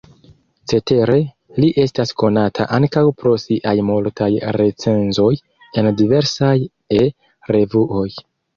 Cetere, li estas konata ankaŭ pro siaj multaj recenzoj en diversaj E-revuoj.